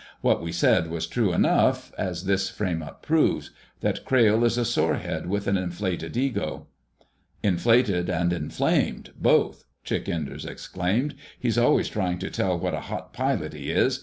What we said was true enough, as this frame up proves—that Crayle is a sorehead, with an inflated ego." "Inflated and inflamed, both!" Chick Enders exclaimed. "He's always trying to tell what a hot pilot he is.